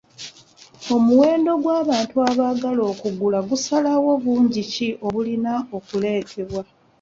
Omuwendo gw'abantu abaagala okugula gusalawo bungi ki obulina okuleetebwa.